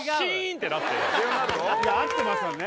いや合ってますよね。